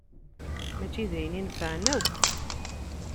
Mačči d ayen inefεen akk.